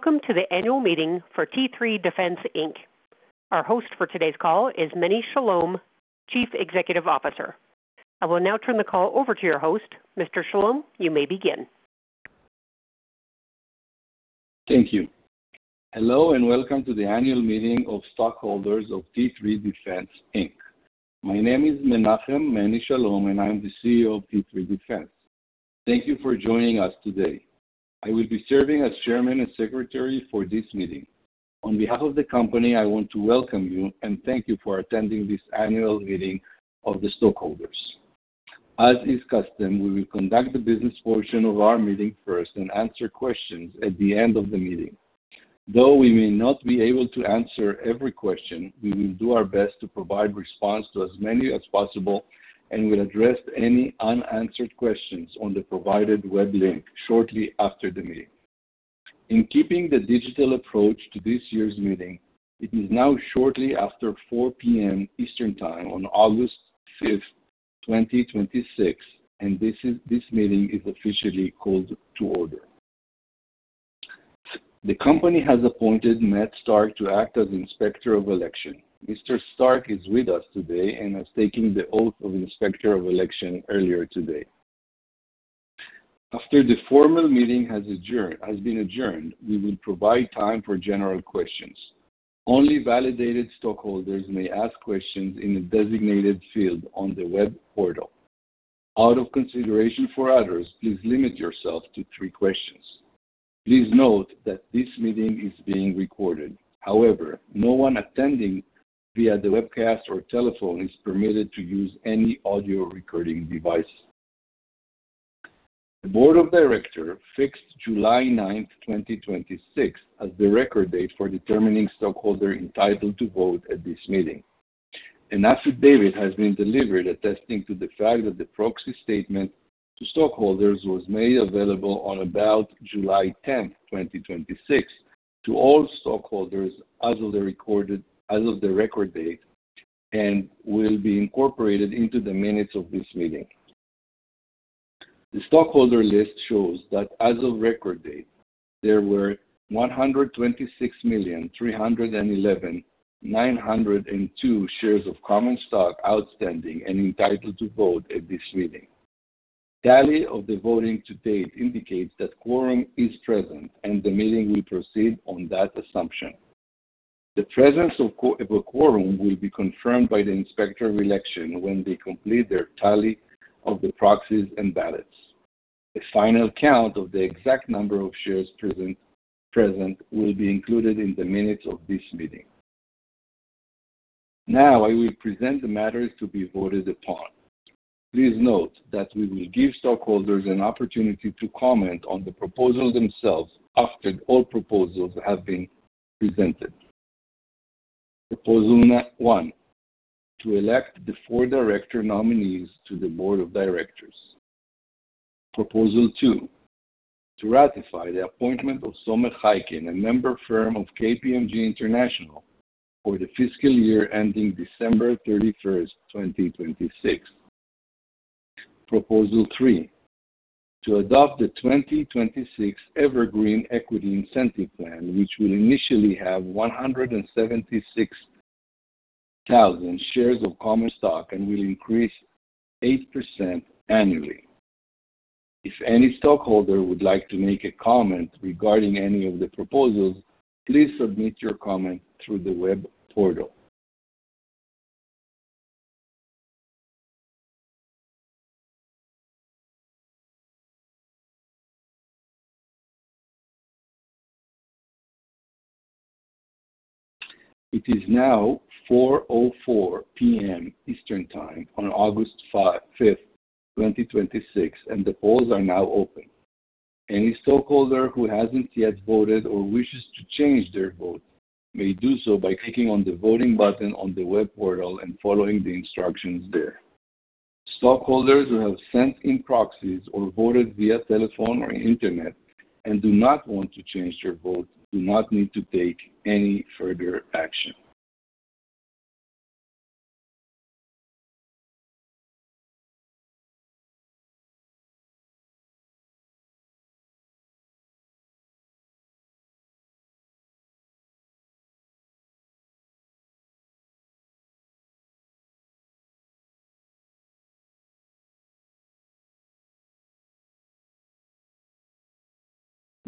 Welcome to the annual meeting for T3 Defense Inc. Our host for today's call is Manny Shalom, Chief Executive Officer. I will now turn the call over to your host. Mr. Shalom, you may begin. Thank you. Hello, and welcome to the annual meeting of stockholders of T3 Defense Inc. My name is Menachem "Manny" Shalom, and I'm the CEO of T3 Defense. Thank you for joining us today. I will be serving as chairman and secretary for this meeting. On behalf of the company, I want to welcome you and thank you for attending this annual meeting of the stockholders. As is custom, we will conduct the business portion of our meeting first and answer questions at the end of the meeting. Though we may not be able to answer every question, we will do our best to provide response to as many as possible and will address any unanswered questions on the provided web link shortly after the meeting. In keeping the digital approach to this year's meeting, it is now shortly after 4:00 P.M. Eastern Time on August 5th, 2026, and this meeting is officially called to order. The company has appointed Matt Stark to act as Inspector of Election. Mr. Stark is with us today and has taken the oath of Inspector of Election earlier today. After the formal meeting has been adjourned, we will provide time for general questions. Only validated stockholders may ask questions in the designated field on the web portal. Out of consideration for others, please limit yourself to three questions. Please note that this meeting is being recorded. However, no one attending via the webcast or telephone is permitted to use any audio recording device. The Board of Directors fixed July 9th, 2026, as the record date for determining stockholder entitled to vote at this meeting. An affidavit has been delivered attesting to the fact that the proxy statement to stockholders was made available on about July 10th, 2026, to all stockholders as of the record date and will be incorporated into the minutes of this meeting. The stockholder list shows that as of record date, there were 126,311,902 shares of common stock outstanding and entitled to vote at this meeting. Tally of the voting to date indicates that quorum is present, and the meeting will proceed on that assumption. The presence of a quorum will be confirmed by the Inspector of Election when they complete their tally of the proxies and ballots. A final count of the exact number of shares present will be included in the minutes of this meeting. Now, I will present the matters to be voted upon. Please note that we will give stockholders an opportunity to comment on the proposals themselves after all proposals have been presented. Proposal one, to elect the four director nominees to the board of directors. Proposal two, to ratify the appointment of Somekh Chaikin, a member firm of KPMG International for the fiscal year ending December 31st, 2026. Proposal three, to adopt the 2026 Evergreen Equity Incentive Plan, which will initially have 176,000 shares of common stock and will increase 8% annually. If any stockholder would like to make a comment regarding any of the proposals, please submit your comment through the web portal. It is now 4:04 P.M. Eastern Time on August 5th, 2026, and the polls are now open. Any stockholder who hasn't yet voted or wishes to change their vote may do so by clicking on the voting button on the web portal and following the instructions there. Stockholders who have sent in proxies or voted via telephone or internet and do not want to change their vote do not need to take any further action.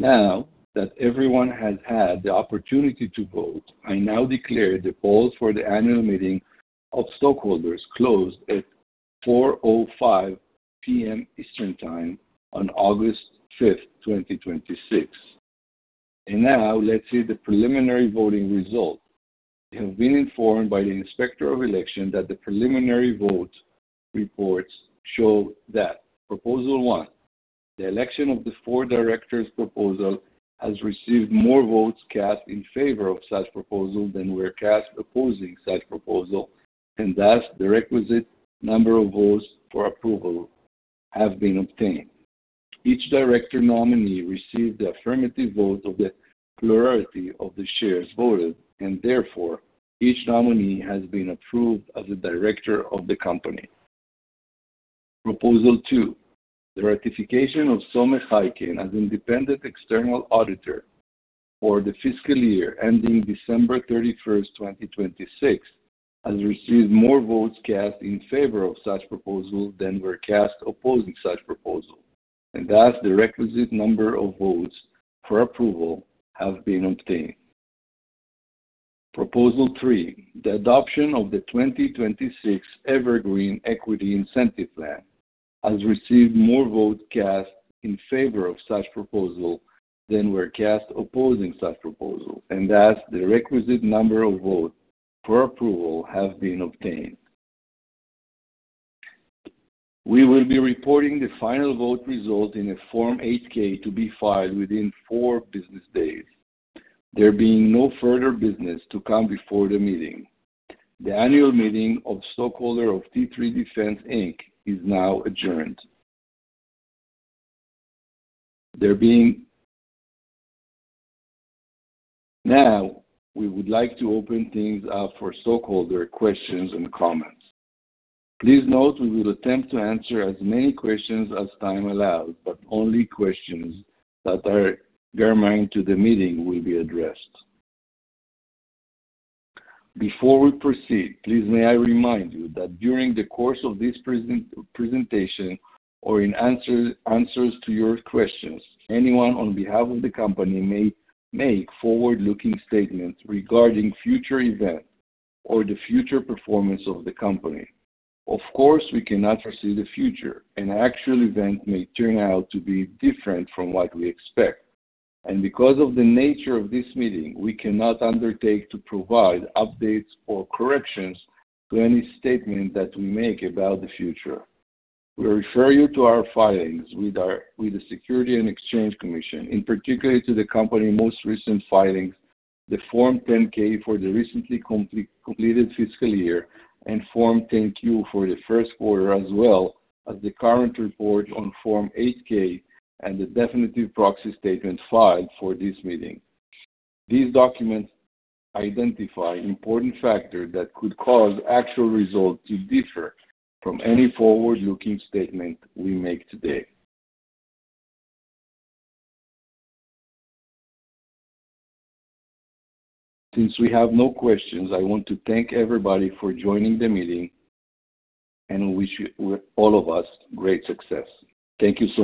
Now that everyone has had the opportunity to vote, I now declare the polls for the annual meeting of stockholders closed at 4:05 P.M. Eastern Time on August 5th, 2026. Now let's see the preliminary voting result. We have been informed by the Inspector of Election that the preliminary vote reports show that proposal one, the election of the four directors proposal, has received more votes cast in favor of such proposal than were cast opposing such proposal, and thus, the requisite number of votes for approval have been obtained. Each director nominee received the affirmative vote of the plurality of the shares voted, and therefore, each nominee has been approved as a director of the company. Proposal two, the ratification of Somekh Chaikin as independent external auditor for the fiscal year ending December 31st, 2026, has received more votes cast in favor of such proposal than were cast opposing such proposal, and thus the requisite number of votes for approval have been obtained. Proposal three, the adoption of the 2026 Evergreen Equity Incentive Plan, has received more votes cast in favor of such proposal than were cast opposing such proposal, and thus, the requisite number of votes for approval have been obtained. We will be reporting the final vote result in a Form 8-K to be filed within four business days. There being no further business to come before the meeting, the annual meeting of stockholder of T3 Defense Inc. is now adjourned. We would like to open things up for stockholder questions and comments. Please note we will attempt to answer as many questions as time allows, but only questions that are germane to the meeting will be addressed. Before we proceed, please may I remind you that during the course of this presentation or in answers to your questions, anyone on behalf of the company may make forward-looking statements regarding future events or the future performance of the company. Of course, we cannot foresee the future, and actual events may turn out to be different from what we expect. Because of the nature of this meeting, we cannot undertake to provide updates or corrections to any statement that we make about the future. We refer you to our filings with the Securities and Exchange Commission, in particular to the company's most recent filings, the Form 10-K for the recently completed fiscal year, and Form 10-Q for the first quarter, as well as the current report on Form 8-K and the definitive proxy statement filed for this meeting. These documents identify important factors that could cause actual results to differ from any forward-looking statement we make today. Since we have no questions, I want to thank everybody for joining the meeting and wish all of us great success. Thank you so much.